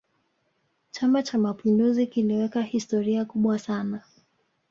chama cha mapinduzi kiliweka historia kubwa sana